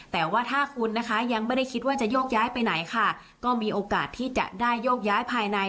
แต่ว่าถ้าคุณนะคะยังไม่ได้คิดว่าจะโยกย้ายไปไหนค่ะก็มีโอกาสที่จะได้โยกย้ายภายใน